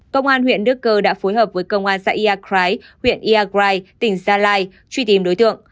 công an huyện đức cơ đã phối hợp với công an xã yà crái huyện yà crái tỉnh gia lai truy tìm đối tượng